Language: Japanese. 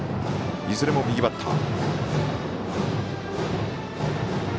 いずれも右バッター。